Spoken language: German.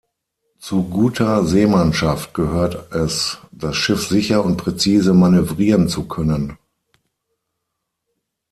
Zu guter Seemannschaft gehört es, das Schiff sicher und präzise manövrieren zu können.